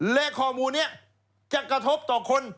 และข้อมูลนี้จะกระทบต่อคน